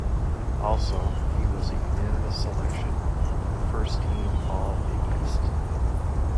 Also, he was a unanimous selection to the First-team All-Big East.